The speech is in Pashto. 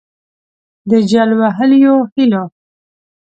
د جل وهلیو هِیلو